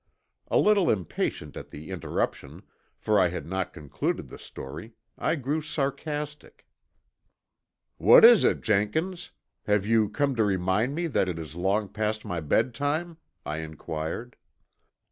A little impatient at the interruption for I had not concluded the story, I grew sarcastic. "What is it, Jenkins? Have you come to remind me that it is long past my bed time?" I inquired.